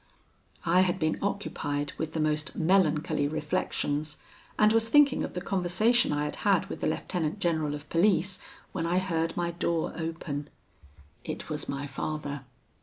"I had been occupied with the most melancholy reflections, and was thinking of the conversation I had had with the lieutenant general of police, when I heard my door open. It was my father.